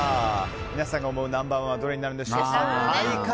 皆さんが思うナンバー１はどれになるでしょうか。